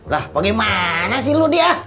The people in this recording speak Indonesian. lah bagaimana sih lo dia